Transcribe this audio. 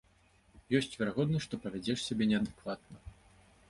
Ёсць верагоднасць, што павядзеш сябе неадэкватна.